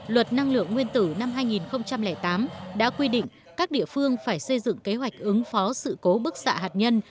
luật năng lượng nguyên tử năm hai nghìn tám đã quy định các địa phương phải xây dựng kế hoạch ứng phó sự cố bức xạ hạt nhân